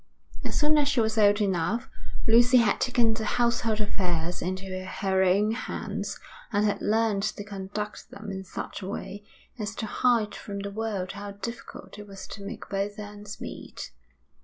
As soon as she was old enough, Lucy had taken the household affairs into her own hands and had learned to conduct them in such a way as to hide from the world how difficult it was to make both ends meet.